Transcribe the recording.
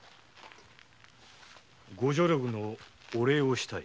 ご助力のお礼をしたい。